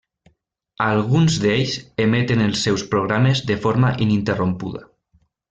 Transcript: Alguns d'ells emeten els seus programes de forma ininterrompuda.